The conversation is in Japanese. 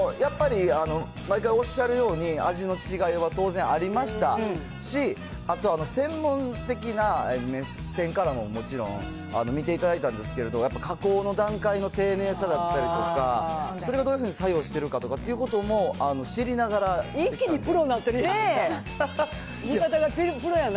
やっぱり毎回おっしゃるように、味の違いは当然ありましたし、あと専門的な視点からももちろん見ていただいたんですけど、やっぱり加工の段階の丁寧さだったりとか、それがどういうふうに作用しているのかということも知りながらで一気にプロになったみたいな。